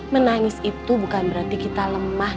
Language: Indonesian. menangis itu bukan berarti kita lemah